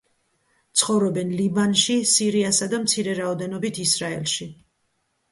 ცხოვრობენ ლიბანში, სირიასა და მცირე რაოდენობით ისრაელში.